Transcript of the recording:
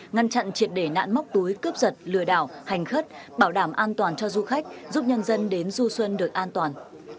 ngăn chặn triệt để nạn móc túi cướp giật lừa đảo hành khất bảo đảm an toàn cho du khách giúp nhân dân đến du xuân được an toàn